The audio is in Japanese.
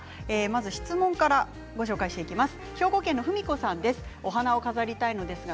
質問からご紹介してまいります。